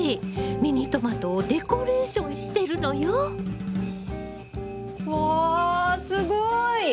ミニトマトをデコレーションしてるのよ！わすごい！